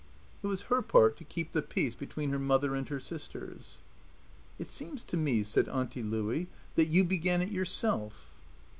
It was her part to keep the peace between her mother and her sisters. "It seems to me," said Auntie Louie, "that you began it yourself."